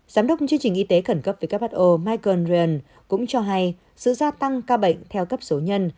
giám đốc chương trình y tế khẩn cấp who michael realand cũng cho hay sự gia tăng ca bệnh theo cấp số nhân